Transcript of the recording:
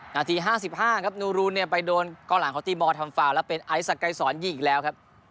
นาที๕๕ครับนูรูนเนี่ยไปโดนก้อนหลังของตีบอลทำฟาวแล้วเป็นไอซักไกรสอนยิงอีกแล้วครับ